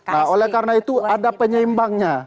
nah oleh karena itu ada penyeimbangnya